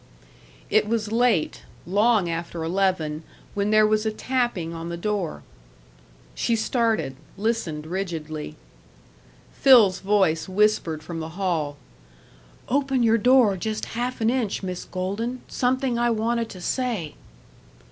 It was late long after eleven when there was a tapping on the door. She started, listened rigidly. Phil's voice whispered from the hall: "Open your door just half an inch, Miss Golden. Something I wanted to say."